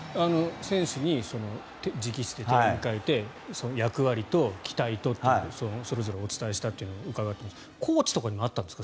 選手に直筆で手紙を書いて役割と期待とそれぞれお伝えしたと伺っていますがコーチとかにもあったんですか？